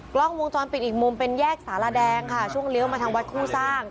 กล้องวงจรปิดอีกมุมเป็นแยกสารแดงค่ะช่วงเลี้ยวมาทางวัดคู่สร้าง